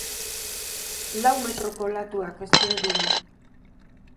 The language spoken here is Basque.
Lau metroko olatuak espero dira.